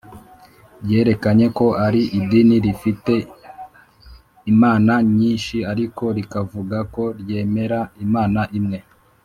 ryerekanye ko ari idini rifite imana nyinshi ariko rikavuga ko ryemera imana imwe